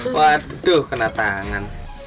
waduh kena tangan